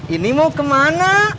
ini mau kemana